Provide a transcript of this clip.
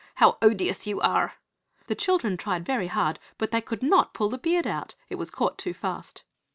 how odious you are!" The children tried very hard, but they could not pull the beard out, it was caught too fast.